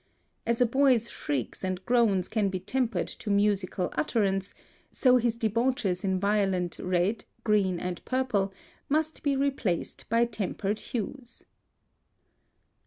As a boy's shrieks and groans can be tempered to musical utterance, so his debauches in violent red, green, and purple must be replaced by tempered hues.